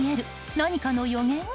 何かの予言？